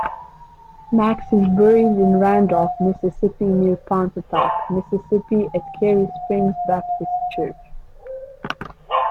Max is buried in Randolph, Mississippi, near Pontotoc, Mississippi at Carey Springs Baptist Church.